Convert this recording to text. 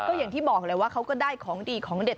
ก็อย่างที่บอกแหละว่าเขาก็ได้ของดีของเด็ด